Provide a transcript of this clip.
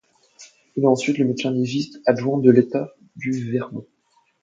Il est ensuite le médecin légiste adjoint de l'État du Vermont.